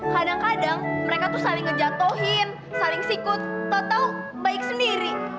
kadang kadang mereka tuh saling ngejatohin saling sikut tau tau baik sendiri